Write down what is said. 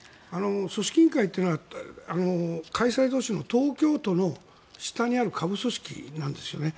組織委員会というのは開催都市の東京都の下にある下部組織なんですよね。